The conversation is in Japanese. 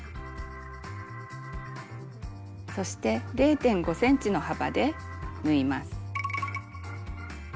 そして０．５ｃｍの幅で縫います。